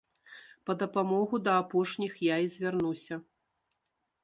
Па дапамогу да апошніх я і звярнуся.